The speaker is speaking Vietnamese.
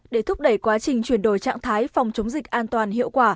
để thúc đẩy quá trình chuyển đổi trạng thái phòng chống dịch an toàn hiệu quả